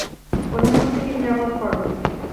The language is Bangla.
প্রধানমন্ত্রীকে নিরাপদ করো।